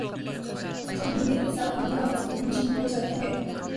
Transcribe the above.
تو جمہوریت کے ساتھ ان کی وابستگی مشکوک ہو جا تی ہے۔